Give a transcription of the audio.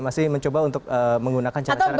masih mencoba untuk menggunakan cara cara